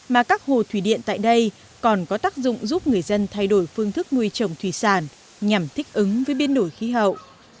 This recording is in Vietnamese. mà các hồ thủy điện tại đây còn có tác dụng giúp người dân thay đổi phương thức nuôi trồng thủy sản nhằm thích ứng với biến đổi khí hậu